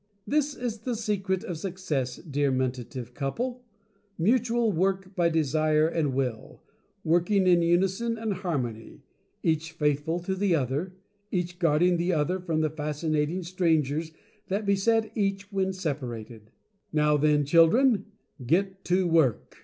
This is the Secret of Success, dear Mentative Couple — Mu tual Work by Desire and Will, working in Unison and Harmony — each faithful to the other — each guarding the other from the Fascinating Strangers that beset each when separated. Now, then Children, GET TO WORK